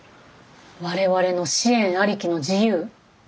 我々の支援ありきの自由？